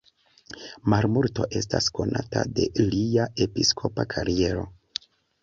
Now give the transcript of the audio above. Malmulto estas konata de lia episkopa kariero.